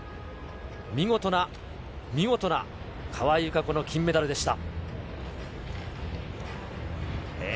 見事な見事な川井友香子の金メダルでした。